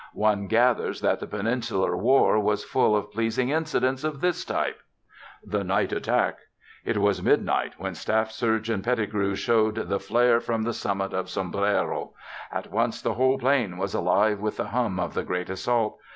One gathers that the Peninsular War was full of pleasing incidents of this type: THE NIGHT ATTACK It was midnight when Staff Surgeon Pettigrew showed the flare from the summit of Sombrero. At once the whole plain was alive with the hum of the great assault.